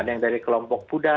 ada yang dari kelompok muda